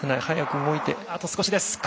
速く動いてあと少しです。